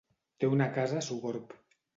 Té una casa a Sogorb.